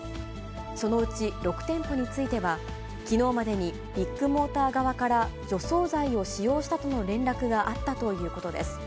そのうち６店舗については、きのうまでにビッグモーター側から除草剤を使用したとの連絡があったということです。